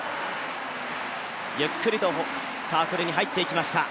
ゆっくりとサークルに入っていきました。